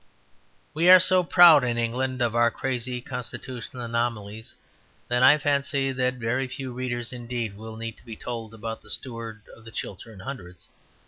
We are so proud in England of our crazy constitutional anomalies that I fancy that very few readers indeed will need to be told about the Steward of the Chiltern Hundreds.